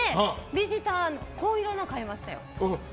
ビジター、紺色のを買いましたよ。